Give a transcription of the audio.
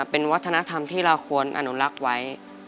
เป็นวัฒนธรรมที่เราควรอนุรักษ์ไว้